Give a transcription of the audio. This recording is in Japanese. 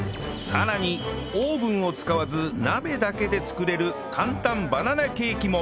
さらにオーブンを使わず鍋だけで作れる簡単バナナケーキも